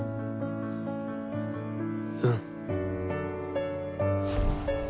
うん。